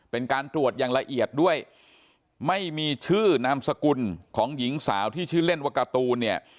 เป็นการตรวจอย่างละเอียดด้วยไม่มีชื่อนามสกุลของหญิงสาวที่ชื่อเล่นว่าการ์ตูนเนี่ย